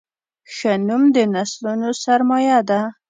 ښه نوم د نسلونو سرمایه ده.